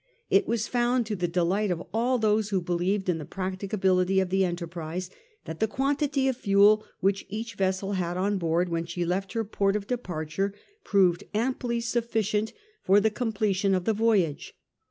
It was found, to the delight of all those who believed in the practicability of the enterprise, that the quantity of fuel which each vessel had on board when she left her port of departure proved amply sufficient for the completion of the voyage.